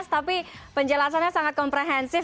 tapi penjelasannya sangat komprehensif